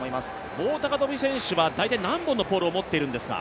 棒高跳選手は大体何本のポールを持っているんですか？